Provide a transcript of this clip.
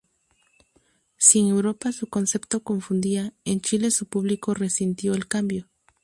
Si en Europa su concepto confundía, en Chile su público resintió el cambio.